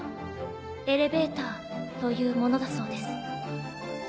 エレベーターというものだそうです。